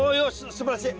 すばらしい。